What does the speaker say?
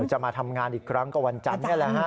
จะมาทำงานอีกครั้งก็วันจันทร์นี่แหละฮะ